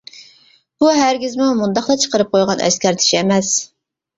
بۇ ھەرگىزمۇ مۇنداقلا چىقىرىپ قويغان ئەسكەرتىش ئەمەس.